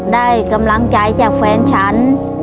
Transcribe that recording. ได้กำลังใจจากแฟนฉัน